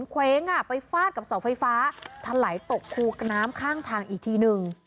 เคว้งไปฟาดกับเสาไฟฟ้าทะไหลตกคูกระน้ำข้างทางอีกทีหนึ่ง